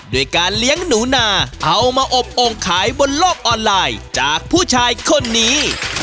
ด้วยการเลี้ยงหนูนาเอามาอบโอ่งขายบนโลกออนไลน์จากผู้ชายคนนี้